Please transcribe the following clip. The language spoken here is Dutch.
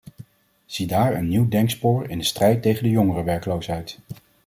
Ziedaar een nieuw denkspoor in de strijd tegen de jongerenwerkloosheid.